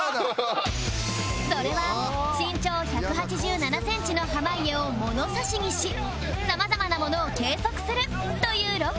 それは身長１８７センチの濱家を物差しにし様々なものを計測するというロケ